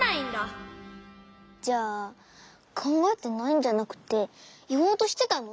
じゃあかんがえてないんじゃなくていおうとしてたの？